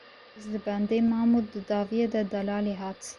Ez li bendê mam û di dawiyê de Delalê hat.